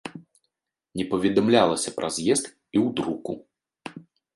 Не паведамлялася пра з'езд і ў друку.